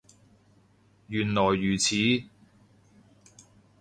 原來如此